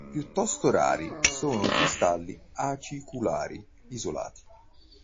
Piuttosto rari sono i cristalli aciculari isolati.